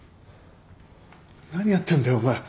何やってんだよお前。